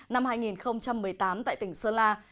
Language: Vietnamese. năm hai nghìn một mươi tám tại tỉnh sơn la